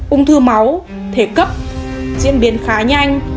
ung thư máu thể cấp diễn biến khá nhanh